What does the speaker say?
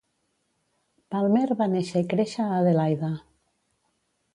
Palmer va néixer i créixer a Adelaida.